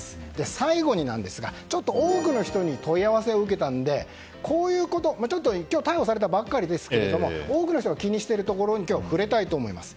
最後に、多くの人に問い合わせを受けたので今日逮捕されたばかりですが多くの人が気にしているところに触れたいと思います。